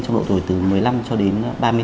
trong độ tuổi từ một mươi năm cho đến hai mươi bốn